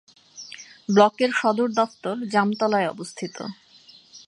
ব্লকের সদর দফতর জামতলায় অবস্থিত।